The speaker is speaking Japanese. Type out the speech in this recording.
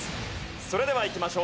それではいきましょう。